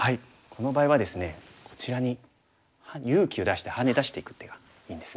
この場合はですねこちらに勇気を出してハネ出していく手がいいんですね。